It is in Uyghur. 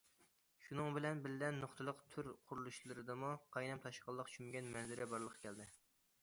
شۇنىڭ بىلەن بىللە، نۇقتىلىق تۈر قۇرۇلۇشلىرىدىمۇ قاينام- تاشقىنلىققا چۆمگەن مەنزىرە بارلىققا كەلدى.